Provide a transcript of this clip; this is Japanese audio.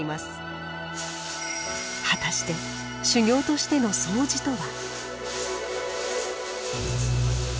果たして修行としてのそうじとは？